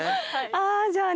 あじゃあ。